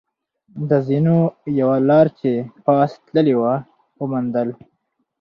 د زینو یوه لار چې پاس تللې وه، و موندل.